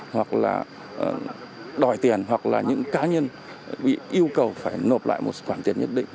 hoặc là đòi tiền hoặc là những cá nhân bị yêu cầu phải nộp lại một khoản tiền nhất định